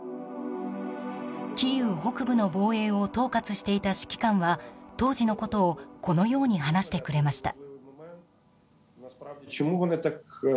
キーウ北部の防衛を統括していた指揮官は当時のことをこのように話してくれました。